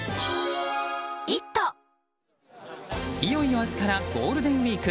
いよいよ明日からゴールデンウィーク。